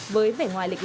với vẻ ngoài lịch sử